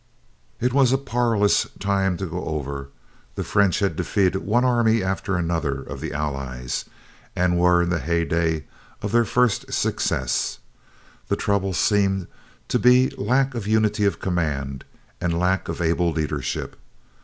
It was a parlous time to go over. The French had defeated one army after another, of the Allies, and were in the hey dey of their first success. The trouble seemed to be lack of unity of command, and lack of able leadership.